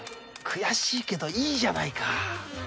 悔しいけどいいじゃないか。